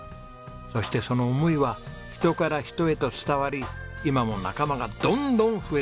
そしてその思いは人から人へと伝わり今も仲間がどんどん増え続けています。